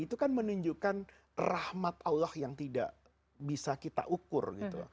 itu kan menunjukkan rahmat allah yang tidak bisa kita ukur gitu